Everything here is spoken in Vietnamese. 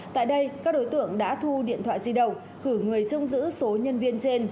tại đây các đối tượng đã thu điện thoại di động cử người trông giữ số nhân viên trên